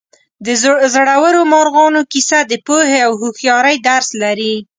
د زړورو مارغانو کیسه د پوهې او هوښیارۍ درس لري.